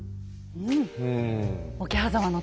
うん。